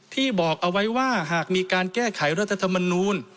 ที่บอกเอาไว้ว่าหากมีการแก้ไขรัฐธรรมนูล